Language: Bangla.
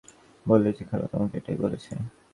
বলো যে খালা তোমাকে এটাই বলেছে।